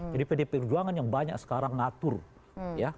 jadi pdi perjuangan yang banyak sekarang ngatur ya